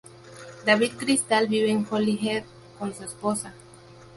David Crystal vive en Holyhead con su esposa.